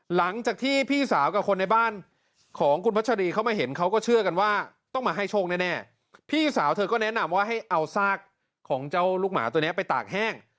หลังจากที่พี่สาวกับคนในบ้านของคุณพัชรีเข้ามาเห็นเขาก็เชื่อกันว่าต้องมาให้โชคแน่พี่สาวเธอก็แนะนำว่าให้เอาซากของเจ้าลูกหมาตัวนี้ไปตากแห้ง